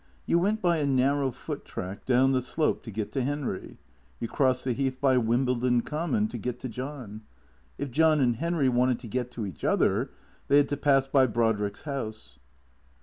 You went by a narrow foot track down the slope to get to Henry. You crossed the Heath by Wimble don Common to get to John. If John and Henry wanted to get to each other, they had to pass by Brodrick's house.